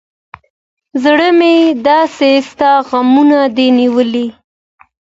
زړه مې داسې ستا غمونه دى نيولى.